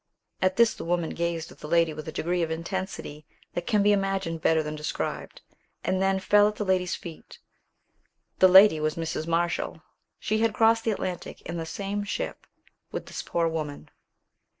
At this the woman gazed at the lady with a degree of intensity that can be imagined better than described, and then fell at the lady's feet. The lady was Mrs. Marshall. She had crossed the Atlantic in the same ship with this poor woman.